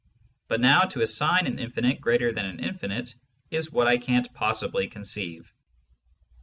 But now, to assign an Infinite greater than an Infinite, is what I can't possibly conceive.